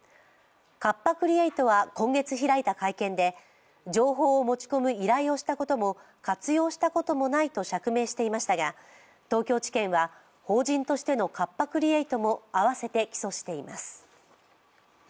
カッパ・クリエイトは今月開いた会見で情報を持ち込む依頼をしたことも活用したこともないと釈明していましたが東京地検は法人としてのカッパ・クリエイトも合わせて起訴しています。